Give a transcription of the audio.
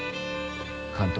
監督